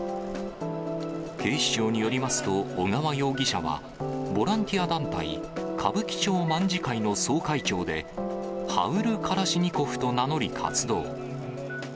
警視庁によりますと、小川容疑者は、ボランティア団体、歌舞伎町卍会の総会長で、ハウル・カラシニコフと名乗り活動。